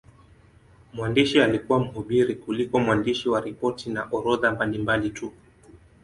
Mwandishi alikuwa mhubiri kuliko mwandishi wa ripoti na orodha mbalimbali tu.